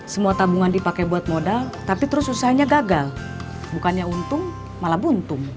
semua tabungan dipakai buat modal tapi terus usahanya gagal bukannya untung malah buntung